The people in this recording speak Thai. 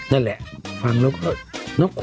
นั่นแหละฟังแล้วก็